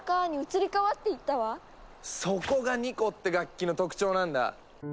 そこが二胡って楽器の特徴なんだ。